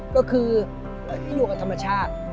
ก็คือให้อยู่กับธรรมชาติ